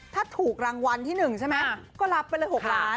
ถ้าถูกรางวัลที่๑ใช่ไหมก็รับไปเลย๖ล้าน